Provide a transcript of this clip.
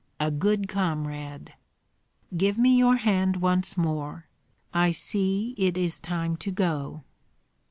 A good comrade! Give me your hand once more. I see it is time to go."